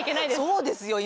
そうですよ今。